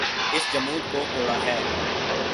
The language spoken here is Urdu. اس جمود کو توڑا ہے۔